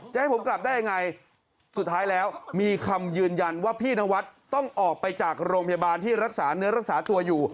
ให้ผมกลับได้ยังไงสุดท้ายแล้วมีคำยืนยันว่าพี่นวัดต้องออกไปจากโรงพยาบาลที่รักษาเนื้อรักษาตัวอยู่